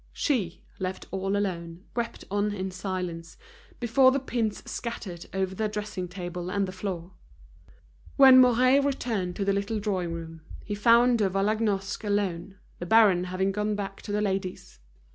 She, left all alone, wept on in silence, before the pins scattered over the dressing table and the floor. When Mouret returned to the little drawing room, he found De Vallagnosc alone, the baron having gone back to the ladies.